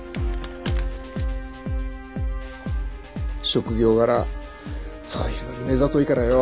職業柄そういうのに目ざといからよ